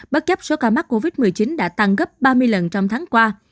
bất chấp số ca mắc covid một mươi chín đã tăng gấp ba mươi lần trong tháng qua